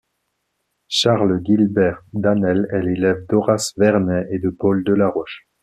Charles Guilbert d'Anelle est l'élève d'Horace Vernet et de Paul Delaroche.